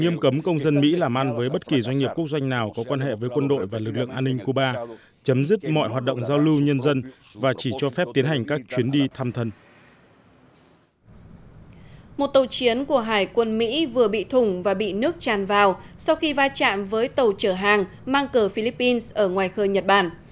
một tàu chiến của hải quân mỹ vừa bị thùng và bị nước tràn vào sau khi vai trạm với tàu trở hàng mang cờ philippines ở ngoài khơi nhật bản